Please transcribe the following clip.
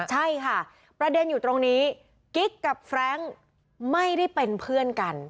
ใช่ค่ะประเด็นอยู่ตรงนี้กิ๊กกับแฟรงค์ไม่ได้เป็นเพื่อนกัน